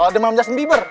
kalau demam jasin bieber